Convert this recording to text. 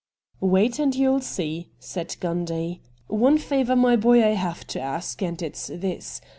' Wait and you'll see,' said Gundy. ' One favour, my boy, I have to ask, and it's this.